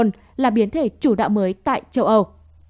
là biến thể chủ đạo mới tại châu âu